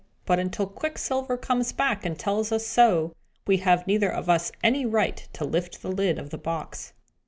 "But until Quicksilver comes back and tells us so, we have neither of us any right to lift the lid of the box."